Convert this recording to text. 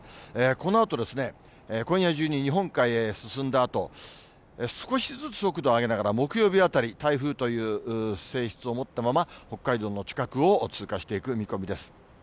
このあとですね、今夜中に日本海へ進んだあと、少しずつ速度を上げながら、木曜日あたり、台風という性質を持ったまま、北海道の近くを通過していく見込みです。